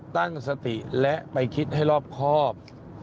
ตั้งสติและไปคิดให้รอบครอบ